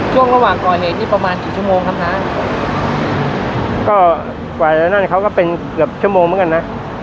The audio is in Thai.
ช่วงระหว่างก่อเหตุนี้ประมาณกี่ชั่วโมงครับฮะก็กว่าจะนั่นเขาก็เป็นเกือบชั่วโมงเหมือนกันนะ